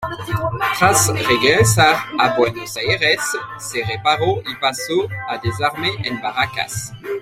Tras regresar a Buenos Aires se reparó y pasó a desarme en Barracas.